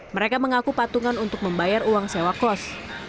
mereka mengaku patungan untuk membayar uang sewa kos